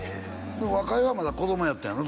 若井はまだ子供やったんやろ？